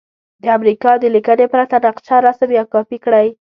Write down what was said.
د امریکا د لیکنې پرته نقشه رسم یا کاپې کړئ.